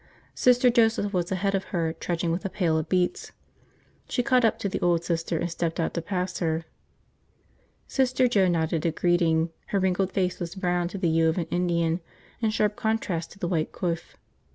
Sister Joseph was ahead of her, trudging with a pail of beets. She caught up to the old Sister and stepped out to pass her. Sister Joe nodded a greeting. Her wrinkled face was browned to the hue of an Indian in sharp contrast to the white coif.